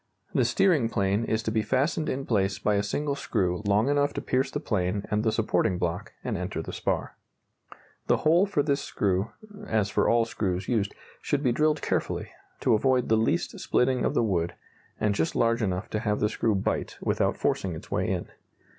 The steering plane is to be fastened in place by a single screw long enough to pierce the plane and the supporting block, and enter the spar. The hole for this screw (as for all screws used) should be drilled carefully, to avoid the least splitting of the wood, and just large enough to have the screw "bite" without forcing its way in.